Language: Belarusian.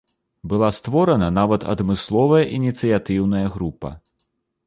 Была створана нават адмысловая ініцыятыўная група.